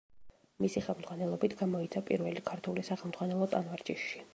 მისი ხელმძღვანელობით გამოიცა პირველი ქართული სახელმძღვანელო ტანვარჯიშში.